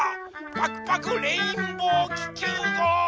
パクパクレインボーききゅうごう！